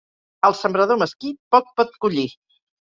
El sembrador mesquí poc pot collir.